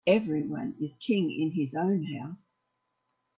Every one is king in his own house.